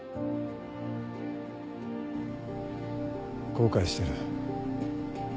後悔してる。